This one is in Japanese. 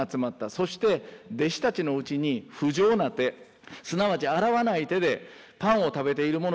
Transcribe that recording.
そして弟子たちのうちに不浄な手すなわち洗わない手でパンを食べている者があるのを見た。